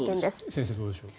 先生、どうでしょう。